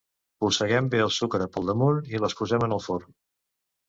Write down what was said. Polsegem bé de sucre per damunt i les posem en el forn.